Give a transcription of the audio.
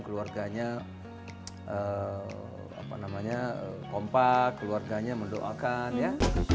keluarganya kompak keluarganya mendoakan ya